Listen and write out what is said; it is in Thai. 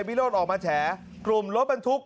วิโรธออกมาแฉกลุ่มรถบรรทุก